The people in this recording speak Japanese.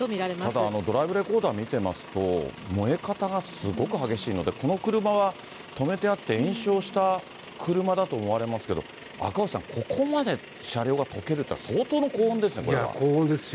ただ、ドライブレコーダーを見てますと、燃え方がすごく激しいので、この車は止めてあって、延焼した車だと思われますけど、赤星さん、ここまで車両が溶けるっていうのは相当の高温ですよね、いや、高温ですよ。